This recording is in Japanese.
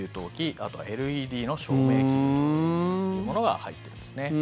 あとはＬＥＤの照明器具というものが入ってますね。